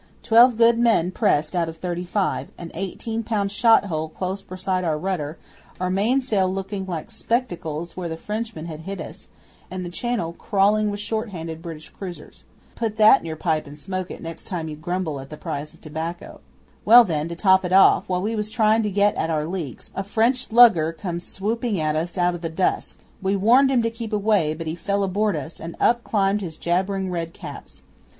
Twelve good men pressed out of thirty five; an eighteen pound shot hole close beside our rudder; our mainsail looking like spectacles where the Frenchman had hit us and the Channel crawling with short handed British cruisers. Put that in your pipe and smoke it next time you grumble at the price of tobacco! 'Well, then, to top it off, while we was trying to get at our leaks, a French lugger come swooping at us out o' the dusk. We warned him to keep away, but he fell aboard us, and up climbed his Jabbering red caps.